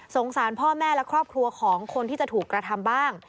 สารพ่อแม่และครอบครัวของคนที่จะถูกกระทำบ้าง